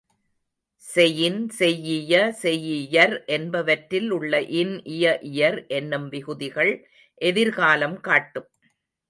Chain, செய்யிய, செய்யியர் என்பவற்றில் உள்ள இன், இய, இயர் என்னும் விகுதிகள் எதிர் காலம் காட்டும்.